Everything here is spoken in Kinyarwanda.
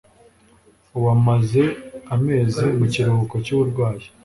Ubu amaze ukwezi mu kiruhuko cy’uburwayi.